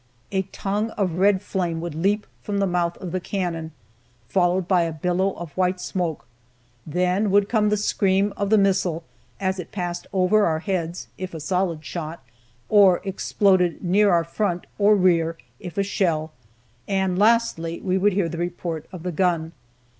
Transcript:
A tongue of red flame would leap from the mouth of the cannon, followed by a billow of white smoke; then would come the scream of the missile as it passed over our heads (if a solid shot), or exploded near our front or rear (if a shell), and lastly we would hear the report of the gun.